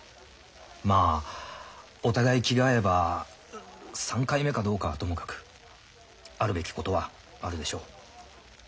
まあお互い気が合えば３回目かどうかはともかくあるべきことはあるでしょう。